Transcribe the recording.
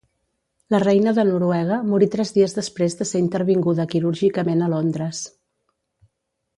La reina de Noruega morí tres dies després de ser intervinguda quirúrgicament a Londres.